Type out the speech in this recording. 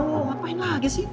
ngapain lagi sih